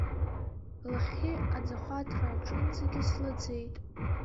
Лахьхьи, аӡахәаҭра аҿынӡагьы слаӡеит…